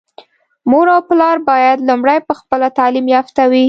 مور او پلار بايد لومړی په خپله تعليم يافته وي.